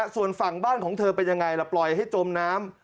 ส่วนฝั่งบ้านของเธอเป็นยังไงล่ะปล่อยให้จมน้ำ